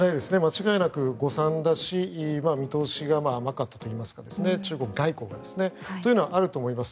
間違いなく誤算だし見通しが甘かったといいますか中国外交が。というのはあると思います。